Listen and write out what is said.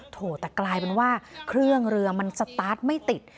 โถแต่กลายเป็นว่าเครื่องเรือมันสตาร์ทไม่ติด